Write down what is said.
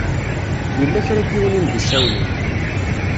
Yella kra n yiwen i m-d-isawlen.